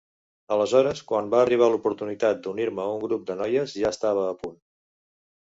Aleshores, quan va arribar l'oportunitat d'unir-me a un grup de noies, ja estava a punt!